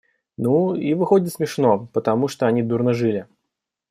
Ну, и выходит смешно, потому что они дурно жили.